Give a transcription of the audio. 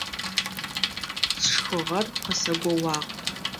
Сшхыгъэр къысэгоуагъ.